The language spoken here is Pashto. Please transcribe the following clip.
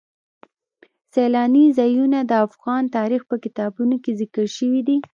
سیلانی ځایونه د افغان تاریخ په کتابونو کې ذکر شوی دي.